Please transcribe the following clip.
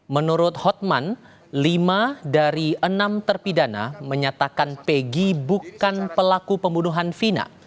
menurut hotman lima dari enam terpidana menyatakan pegi bukan pelaku pembunuhan vina